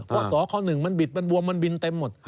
เพราะสค๑มันบิดมันบวมมันบินเต็มหมด